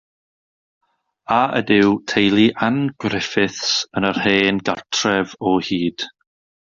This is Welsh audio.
A ydyw teulu Ann Griffiths yn yr hen gartref o hyd?